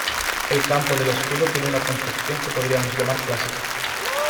El campo del escudo tiene una concepción que podríamos llamar clásica.